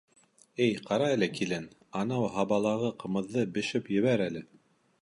Әй, ҡара әле, килен, анау һабалағы ҡымыҙҙы бешеп ебәр әле.